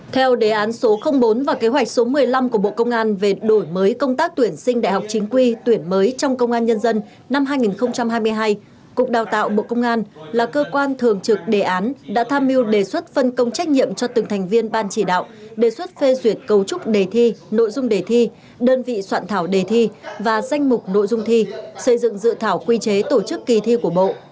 theo đề án số bốn và kế hoạch số một mươi năm của bộ công an về đổi mới công tác tuyển sinh đại học chính quy tuyển mới trong công an nhân dân năm hai nghìn hai mươi hai cục đào tạo bộ công an là cơ quan thường trực đề án đã tham mưu đề xuất phân công trách nhiệm cho từng thành viên ban chỉ đạo đề xuất phê duyệt cấu trúc đề thi nội dung đề thi đơn vị soạn thảo đề thi và danh mục nội dung thi xây dựng dự thảo quy chế tổ chức kỳ thi của bộ